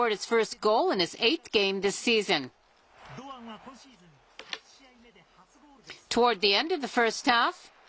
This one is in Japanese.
堂安は今シーズン、８試合目で初ゴールです。